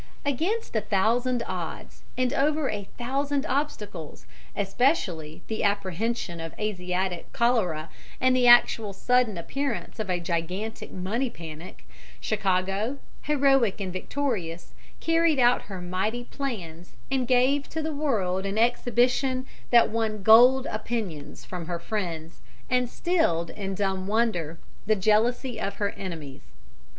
Against a thousand odds and over a thousand obstacles, especially the apprehension of Asiatic cholera and the actual sudden appearance of a gigantic money panic, Chicago, heroic and victorious, carried out her mighty plans and gave to the world an exhibition that won golden opinions from her friends and stilled in dumb wonder the jealousy of her enemies.